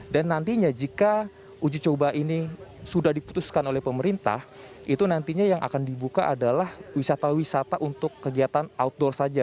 dan nantinya jika uji coba ini sudah diputuskan oleh pemerintah itu nantinya yang akan dibuka adalah wisata wisata untuk kegiatan outdoor saja